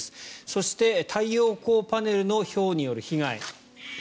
そして、太陽光パネルのひょうによる被害。